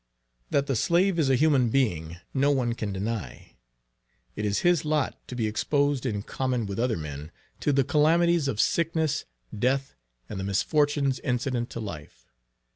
That the slave is a human being, no one can deny. It is his lot to be exposed in common with other men, to the calamities of sickness, death, and the misfortunes incident to life.